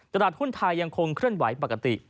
ตลาดหุ้นไทยยังคงเคลื่อนไหวปกติ